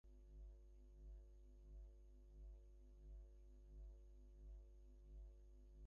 তাহাকে আশ্রম-জীবনের অনুপযুক্ত জানিয়া কেহই তাহাকে মঠভুক্ত করিতে সম্মত ছিলেন না।